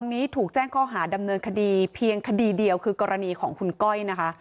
นี้ถูกแจ้งข้อหาดำเนินคดีเพียงคดีเดียวคือกรณีของคุณก้อยนะคะ